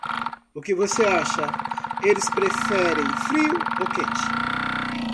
O que você acha? eles preferem frio ou quente?